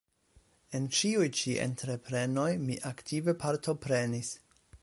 En ĉiuj ĉi entreprenoj mi aktive partoprenis.